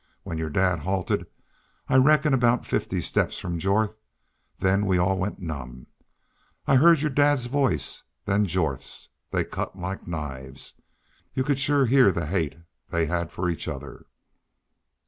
When your dad halted I reckon aboot fifty steps from Jorth then we all went numb. I heerd your dad's voice then Jorth's. They cut like knives. Y'u could shore heah the hate they hed fer each other."